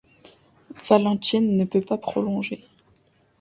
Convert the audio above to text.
Valentine ne peut pas prolonger !